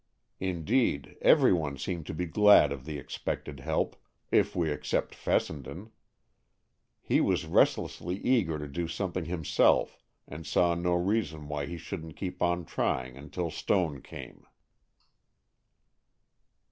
Indeed, every one seemed to be glad of the expected help, if we except Fessenden. He was restlessly eager to do something himself, and saw no reason why he shouldn't keep on trying until Stone came.